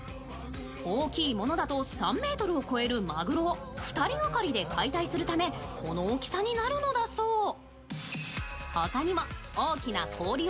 大きいものだと３ｍを超えるマグロを２人がかりで解体するためこの大きさになるのだそう。